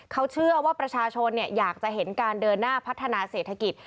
เขาเชื่อว่าประชาชนอยากจะเห็นการเดินหน้าพัฒนาเศรษฐกิจ